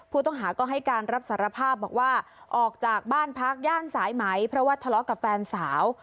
ผู้ต้องหาก็ให้การรับสารภาพบอกว่าออกจากบ้านพักย่านสายไหมเพราะว่าทะเลาะกับแฟนสาว